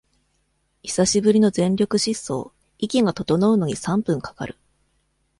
久しぶりの全力疾走、息が整うのに三分かかる